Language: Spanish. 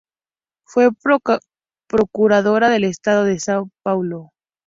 Fue Procuradora del Estado de São Paulo.